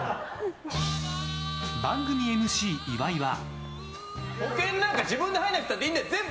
番組ＭＣ岩井は。